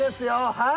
はい！